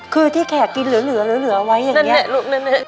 คือที่แขกกินเหลือไว้อย่างนั้นเนี่ย